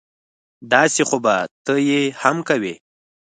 داسې خو به ته یې هم کوې